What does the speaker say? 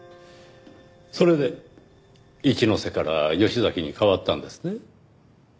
それで一ノ瀬から吉崎に変わったんですね。